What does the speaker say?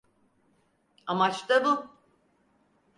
Amaç da bu.